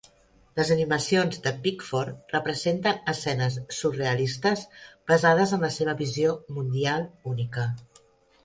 Les animacions de Bickford representen escenes surrealistes basades en la seva visió mundial única.